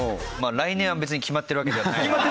来年は別に決まってるわけではない。